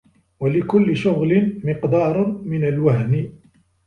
وَلِكُلِّ شُغْلٍ مِقْدَارٌ مِنْ الْوَهْنِ